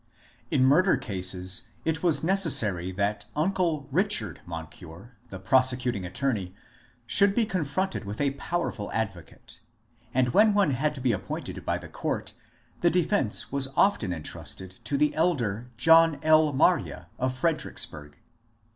In murder cases it was necessary that uncle Richard Mon cure, the prosecuting attorney, should be confronted with a powerful advocate, and when one had to be appointed by the court the defence was often entrusted to the elder John L. Marye of Fredericksburg.